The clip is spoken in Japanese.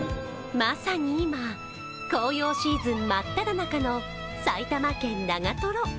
まさに今、紅葉シーズン真っただ中の埼玉県長瀞。